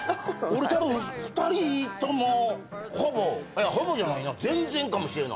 俺たぶん２人ともほぼほぼじゃない全然かもしれない。